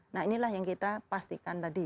nah inilah yang kita pastikan tadi